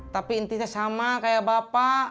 tapi intinya sama kayak bapak